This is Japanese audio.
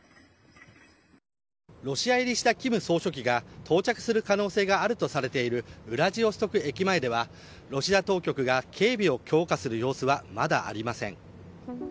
ロシア入りした金総書記が到着する可能性があるとされるウラジオストク駅前ではロシア当局が警備を強化する様子はまだありません。